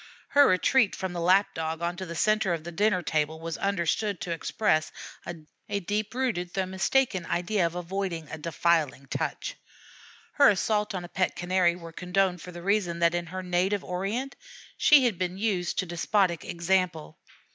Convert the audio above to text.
Her retreat from the Lap dog onto the centre of the dinner table was understood to express a deep rooted though mistaken idea of avoiding a defiling touch. Her assaults on a pet Canary were condoned for the reason that in her native Orient she had been used to despotic example.